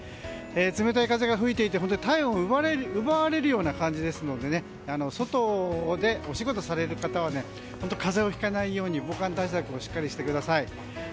冷たい風が吹いていて体温を奪われるような感じですので外でお仕事される方は風邪をひかないように防寒対策をしっかりしてください。